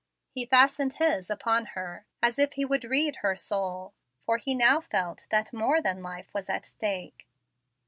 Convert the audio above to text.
He fastened his upon her, as if he would read her soul, for he now felt that more than life was at stake.